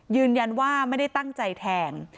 ยืนยันว่าไม่ได้ตั้งใจแทง